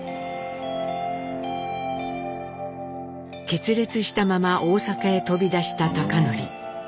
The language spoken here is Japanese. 決裂したまま大阪へ飛び出した貴教。